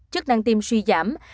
chức năng tim suy giảm